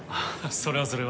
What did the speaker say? それはそれは。